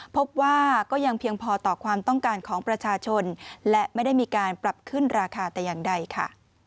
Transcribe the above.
พบว่าก็ยังเพียงพอต่อความต้องการของประชาชนและไม่ได้มีการปรับขึ้นราคาแต่อย่างใดค่ะ